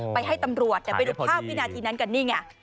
ไปให้ตำรวจแต่ไปดูภาพพินาธินั้นกันนี่ไง